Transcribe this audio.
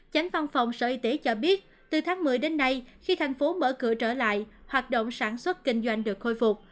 chánh văn phòng sở y tế cho biết từ tháng một mươi đến nay khi thành phố mở cửa trở lại hoạt động sản xuất kinh doanh được khôi phục